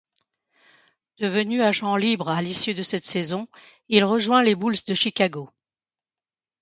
Devenu agent libre à l'issue de cette saison, il rejoint les Bulls de Chicago.